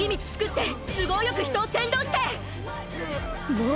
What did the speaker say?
もう！